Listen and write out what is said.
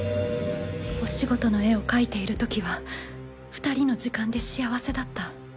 お仕事の絵を描いている時は２人の時間で幸せだった。